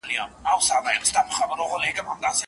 رسول الله ته خبر ورسيدی.